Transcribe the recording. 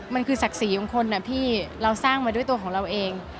มันคือศักดิ์ศรีของคนนะพี่เราสร้างมาด้วยตัวของเราเอง